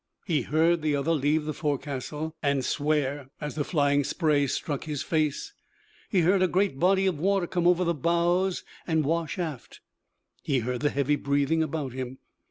He heard the other leave the forecastle, and swear as the flying spray struck his face; he heard a great body of water come over the bows and wash aft; he heard the heavy breathing about him.